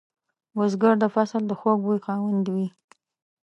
بزګر د فصل د خوږ بوی خاوند وي